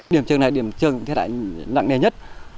điểm trường này điểm trường thiệt hại nặng nề nhất